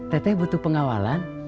tete butuh pengawalan